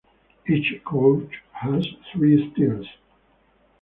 Each coach has three steals.